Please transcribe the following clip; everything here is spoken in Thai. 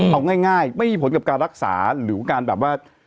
เอาง่ายไม่มีผลกับการรักษาหรือการแบบว่า